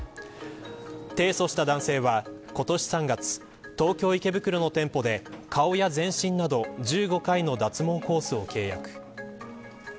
提訴した男性は今年３月東京、池袋の店舗で顔や全身など１５回の脱毛コースを契約。